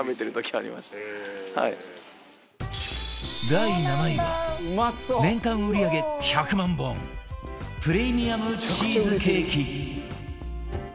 第７位は年間売り上げ１００万本プレミアムチーズケーキ